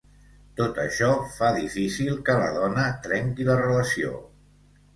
Tot això fa difícil que la dona trenqui la relació.